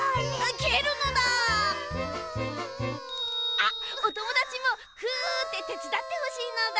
あっおともだちもふっててつだってほしいのだ！